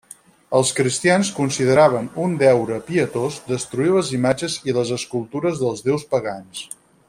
Els cristians consideraven un deure pietós destruir les imatges i les escultures dels déus pagans.